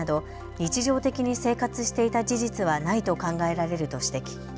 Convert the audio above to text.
日常的に生活していた事実はないと考えられると指摘。